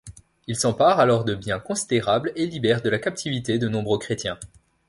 Il s'empare alors de biens considérables et libère de la captivité de nombreux chrétiens.